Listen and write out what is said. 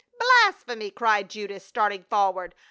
" Blasphemy !" cried Judas, starting forward.